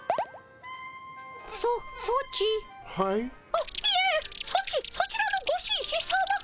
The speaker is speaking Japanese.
あっいえそちそちらのご紳士さま。